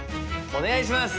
お願いします！